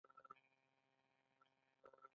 ښه چلند او د ډله ایز کار روحیه ولرو.